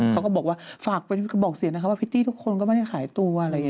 เขาก็บอกว่าฝากบอกเสียงนะคะว่าพิตตี้ทุกคนก็ไม่ได้ขายตัวอะไรอย่างนี้